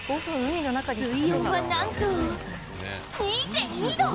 水温はなんと２．２度！